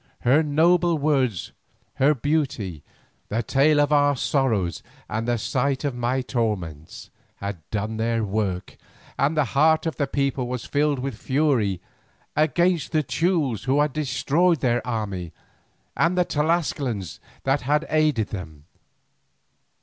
Her noble words, her beauty, the tale of our sorrows and the sight of my torments, had done their work, and the heart of the people was filled with fury against the Teules who had destroyed their army, and the Tlascalans that had aided them.